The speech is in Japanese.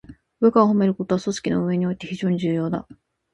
部下を褒めることは、組織の運営において非常に重要だ。